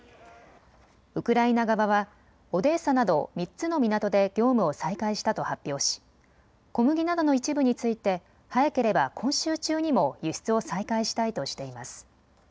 ウクライナ側はオデーサなど３つの港で業務を再開したと発表し小麦などの一部について早ければ今週中にも輸出を再開したいとしています。